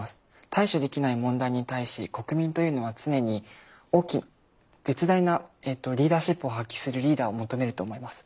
対処できない問題に対し国民というのは常に絶大なリーダーシップを発揮するリーダーを求めると思います。